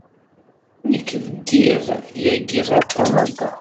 Nekk ddiɣ yagi ɣer Kanada.